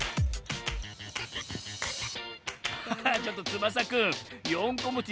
ハハッちょっとつばさくん４こもち